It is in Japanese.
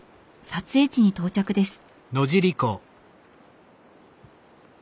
撮影地に到着です。